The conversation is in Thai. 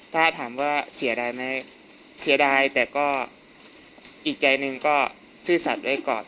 ถ้าถามว่าเสียดายไหมเสียดายแต่ก็อีกใจหนึ่งก็ซื่อสัตว์ไว้ก่อน